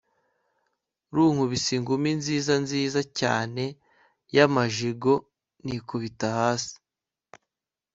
runkubise ingumi nziza nziza cyane yamajigo nikubita hasi